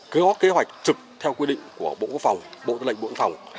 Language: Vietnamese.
có kế hoạch trực theo quy định của bộ quốc phòng bộ tư lệnh bộ quốc phòng